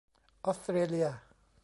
ออสเตรเลีย